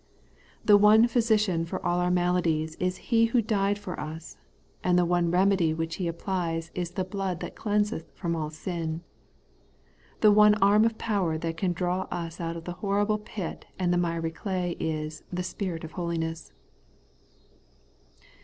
The one physician for all our maladies is He who died for us, and the one remedy which He applies is the blood that cleanseth from all sin. The one arm of power that can draw us out of the horrible pit and the miry clay, is ' the Spirit of holiness.'